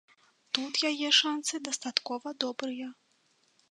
Тут яе шансы дастаткова добрыя.